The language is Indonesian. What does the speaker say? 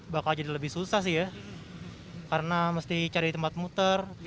bakal jadi lebih susah sih ya karena mesti cari tempat muter